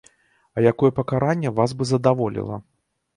А якое пакаранне вас бы задаволіла?